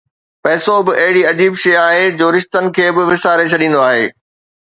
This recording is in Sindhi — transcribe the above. پئسو به اهڙي عجيب شيءِ آهي جو رشتن کي به وساري ڇڏيندو آهي